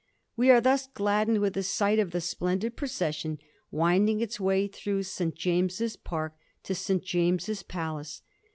We are thus gladdened with a sight of the splendid procession winding its way through St. James's Park to St. James's Palace.